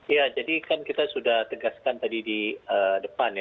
ya jadi kan kita sudah tegaskan tadi di depan ya